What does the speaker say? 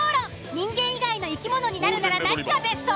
人間以外の生き物になるなら何がベスト？